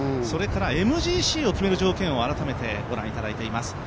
それからＭＧＣを決める条件を改めて見ていただきます。